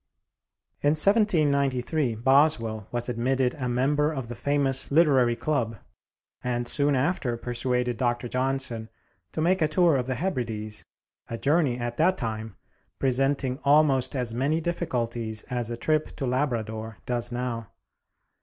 [Illustration: James Boswell] In 1793 Boswell was admitted a member of the famous "Literary Club," and soon after persuaded Dr. Johnson to make a tour of the Hebrides, a journey at that time presenting almost as many difficulties as a trip to Labrador does now.